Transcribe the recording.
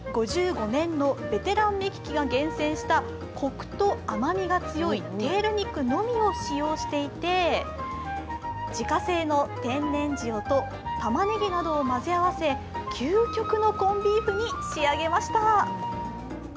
５５年のベテラン目利きが厳選したコクと甘みが強いテール肉のみを使用していて自家製の天然塩とたまねぎなどを混ぜ合わせ究極のコンビーフに仕上げました。